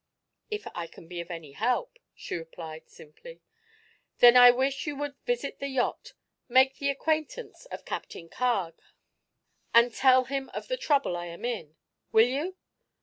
"If I can be of any help," she replied, simply. "Then I wish you would visit the yacht, make the acquaintance of Captain Carg and tell him of the trouble I am in. Will you?"